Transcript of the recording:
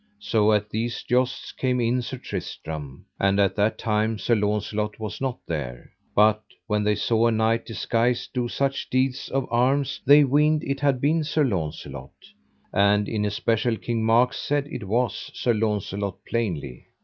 So at these jousts came in Sir Tristram. And at that time Sir Launcelot was not there, but when they saw a knight disguised do such deeds of arms, they weened it had been Sir Launcelot. And in especial King Mark said it was Sir Launcelot plainly.